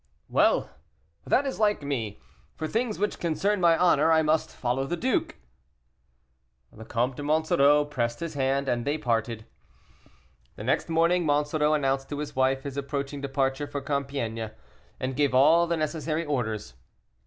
"Well! that is like me; for things which concern my honor I must follow the duke." The Comte de Monsoreau pressed his hand, and they parted. The next morning Monsoreau announced to his wife his approaching departure for Compiègne, and gave all the necessary orders.